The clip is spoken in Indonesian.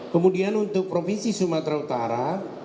kemudian untuk provinsi sumatera utara